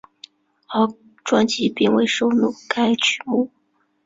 而专辑并未收录该曲目。